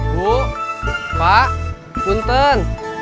bu pak bunten